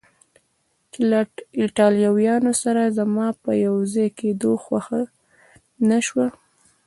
چې له ایټالویانو سره زما په یو ځای کېدو خوښه نه شوه.